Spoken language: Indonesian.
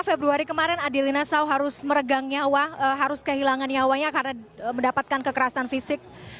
februari kemarin adelina saw harus meregang nyawa harus kehilangan nyawanya karena mendapatkan kekerasan fisik